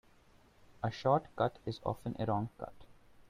A short cut is often a wrong cut.